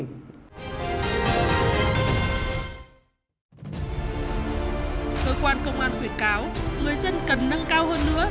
người dân cần nâng cao hơn nữa